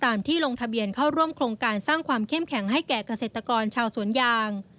ที่ลงทะเบียนเข้าร่วมโครงการสร้างความเข้มแข็งให้แก่เกษตรกรชาวสวนยาง